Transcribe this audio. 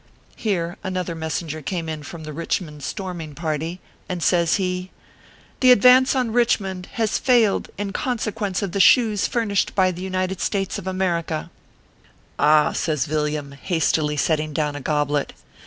Here another messenger came in from the Rich mond storming party, and, says he :" The advance on Richmond has failed in conse quence of the shoes furnished by the United States of America. " Ah !" says Yilliam, hastily setting down a goblet.